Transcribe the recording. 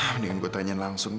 mendingan gue tanyain langsung deh